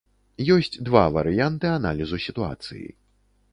Ёсць два варыянты аналізу сітуацыі.